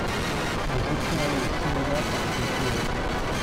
Nous étions allés au cinéma parce qu'il pleuvait.